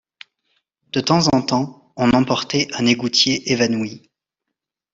De temps en temps, on emportait un égoutier évanoui.